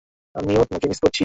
আমিও তোমাকে মিস করছি।